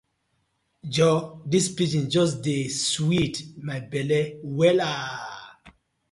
Joor dis pidgin just dey sweet my belle wella.